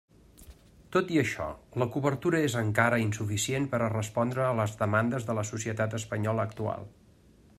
Tot i això la cobertura és encara insuficient per a respondre a les demandes de la societat espanyola actual.